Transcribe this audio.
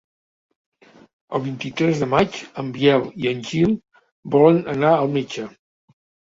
El vint-i-tres de maig en Biel i en Gil volen anar al metge.